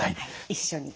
一緒に。